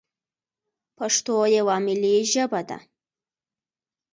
پښتو یوه ملي ژبه ده.